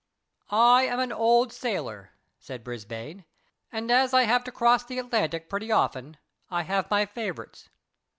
I am an old sailor, said Brisbane, and as I have to cross the Atlantic pretty often, I have my favourites.